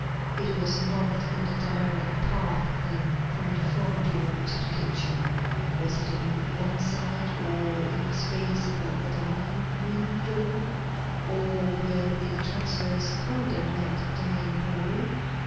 It was not in the direct path then from the front door to the kitchen. Was it on one side or in the space about the dining room door or where the transverse corridor met the main hall?